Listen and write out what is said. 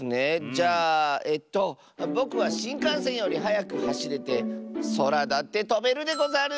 じゃあえとぼくはしんかんせんよりはやくはしれてそらだってとべるでござる！